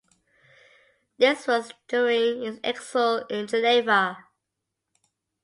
This was during his exile in Geneva.